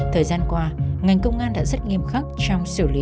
thời gian qua ngành công an đã rất nghiêm khắc trong xử lý